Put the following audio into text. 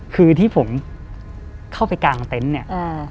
คือที่ผมเข้าไปกลางเต็นต์เนี่ย